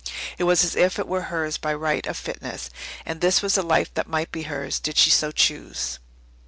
It was as if it were hers by right of fitness. And this was the life that might be hers, did she so choose.